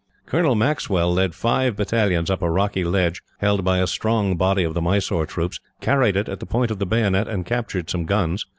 Colonel Maxwell led five battalions up a rocky ledge, held by a strong body of the Mysore troops, carried it at the point of the bayonet, and captured some guns.